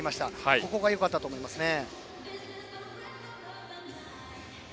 ここはよかったと思いますね。